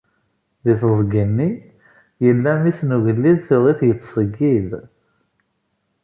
Di teẓgi-nni, yella mmi-s n ugellid tuɣ-it yettṣeyyid.